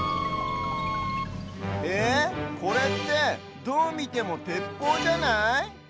えこれってどうみてもてっぽうじゃない？